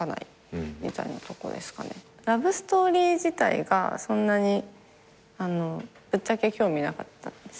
ラブストーリー自体がそんなにぶっちゃけ興味なかったんです。